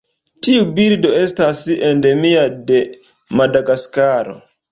Tiu birdo estas endemia de Madagaskaro.